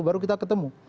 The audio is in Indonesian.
baru kita ketemu